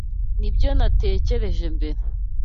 Nibyo natekereje mbere.